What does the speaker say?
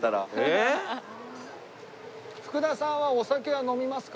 福田さんはお酒は飲みますか？